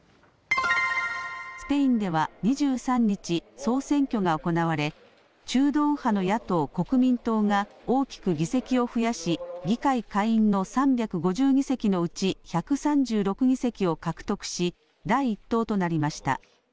スペインでは２３日、総選挙が行われ中道右派の野党・国民党が大きく議席を増やし議会下院の３５０議席のうち１３６議席を獲得し第１党となりました。